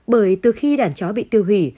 bởi từ khi đàn chó bị tiêu hủy